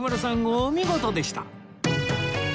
お見事でした！